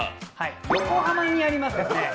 横浜にあります